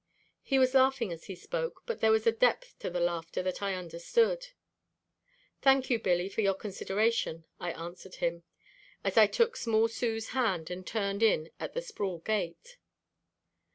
He was laughing as he spoke but there was a depth to the laughter that I understood. "Thank you, Billy, for your consideration," I answered him, as I took small Sue's hand and turned in at the Sproul gate.